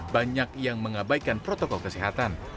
banyak yang mengabaikan protokol kesehatan